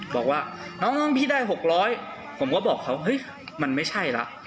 บอกว่าน้องพี่ได้๖๐๐ผมก็บอกเขาเฮ้ยมันไม่ใช่แล้ว